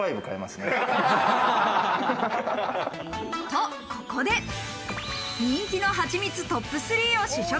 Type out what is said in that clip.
と、ここで、人気の蜂蜜トップ３を試食。